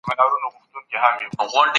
سپين رنګ د سولې نښه ده.